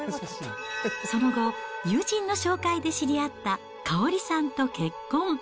その後、友人の紹介で知り合った香織さんと結婚。